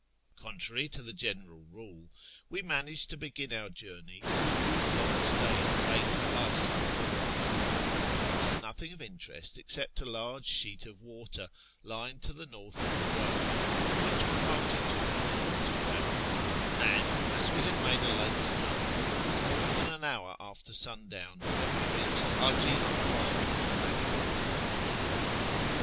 Contrary to the general rule, we managed to begin our journey with a good long stage of eight farsakhs} We passed nothing of interest except a large sheet of water, lying to the north of the road, on which were multitudes of water fowl ; and, as we had made a late start, it was more than an hour after sundown when we reached Haji Aka, where we halted for the night.